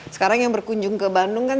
sekarang yang berkunjung ke bandung kan